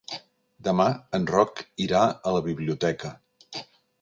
Demà en Roc irà a la biblioteca.